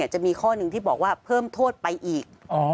จะมีข้อหนึ่งที่บอกว่าเพิ่มโทษไปอีก